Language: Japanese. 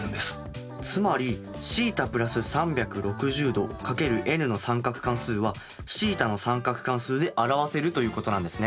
つまりθ＋３６０°×ｎの三角関数はθの三角関数で表せるということなんですね。